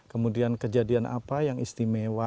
kemudian kejadian apa yang istimewa